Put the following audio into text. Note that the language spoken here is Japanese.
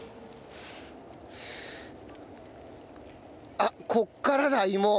あっここからだ芋。